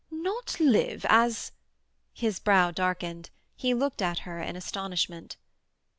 "Not live as—" His brow darkened; he looked at her in astonishment.